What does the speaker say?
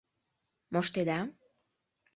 — Моштеда?